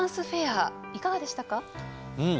うん。